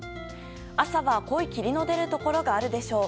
朝は濃い霧の出るところがあるでしょう。